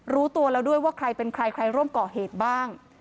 รู้ตัวแล้วด้วยว่าใครเป็นใครใครร่วมก่อเหตุบ้าง